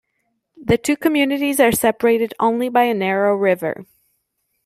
The two communities are separated only by a narrow river.